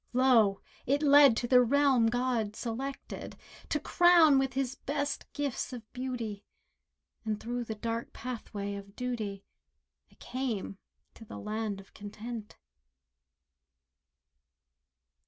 Lo! it led to the realm God selected To crown with His best gifts of beauty, And through the dark pathway of duty I came to the land of Content.